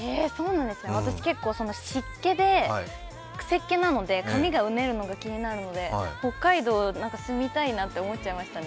私結構、湿気で、くせっ毛なので髪がうねるのが気になるので北海道、住みたいなと思っちゃいましたね。